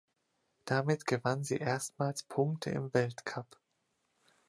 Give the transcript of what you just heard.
Damit gewann sie erstmals Punkte im Weltcup.